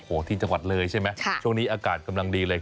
โอ้โหที่จังหวัดเลยใช่ไหมช่วงนี้อากาศกำลังดีเลย